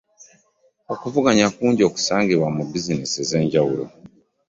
okuvuganya kungi okusangibwa mu bizineesi ez'enjawulo.